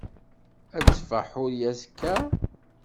Ad teffeɣ Ḥuriya azekka?